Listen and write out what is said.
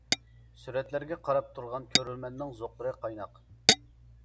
سۈرەتلەرگە قاراپ تۇرغان كۆرۈرمەننىڭ زوقلىرى قايناق.